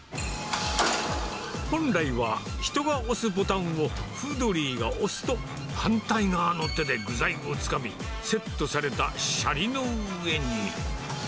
本来は人が押すボタンをフードリーが押すと、反対側の手で具材をつかみ、セットされたシャリの上に。